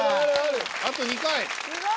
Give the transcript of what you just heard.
あと２回。